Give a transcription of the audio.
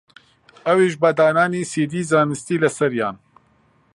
ئەویش بە دانانی سیدی زانستی لەسەریان